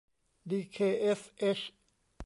ดีเคเอสเอช